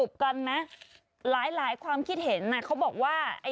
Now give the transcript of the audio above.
พี่หนุ่มเบอร์๖